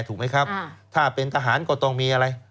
ถูกไหมครับถ้าเป็นทหารก็ต้องมีอะไร